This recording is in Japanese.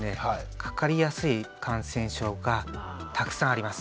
かかりやすい感染症がたくさんあります。